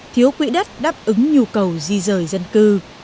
thiếu quỹ đất đáp ứng nhu cầu di rời dân cư